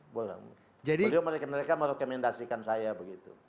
beliau mereka merekomendasikan saya begitu